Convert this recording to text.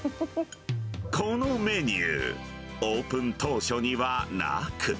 このメニュー、オープン当初にはなく。